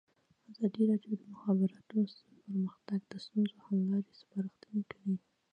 ازادي راډیو د د مخابراتو پرمختګ د ستونزو حل لارې سپارښتنې کړي.